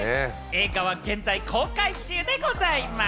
映画は現在公開中でございます。